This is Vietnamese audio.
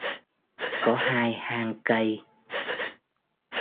Có hai hang cây